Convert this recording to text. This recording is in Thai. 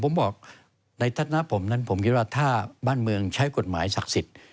ผมบอกในฐานะผมนั้นผมคิดว่าถ้าบ้านเมืองใช้กฎหมายศักดิ์สิทธิ์